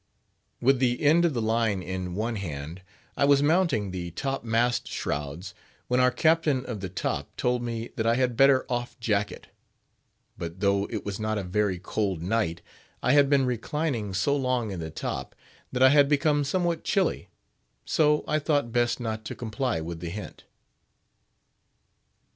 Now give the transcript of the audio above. With the end of the line in one hand, I was mounting the top mast shrouds, when our Captain of the Top told me that I had better off jacket; but though it was not a very cold night, I had been reclining so long in the top, that I had become somewhat chilly, so I thought best not to comply with the hint.